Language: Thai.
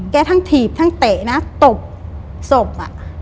ทั้งถีบทั้งเตะนะตบศพอ่ะ